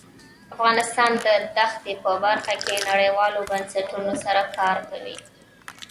افغانستان د دښتې په برخه کې نړیوالو بنسټونو سره کار کوي.